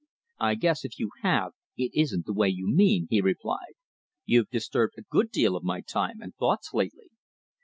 "I guess, if you have, it isn't the way you mean," he replied. "You've disturbed a good deal of my time and thoughts lately."